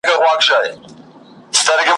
په هوا مو کشپان نه وه لیدلي `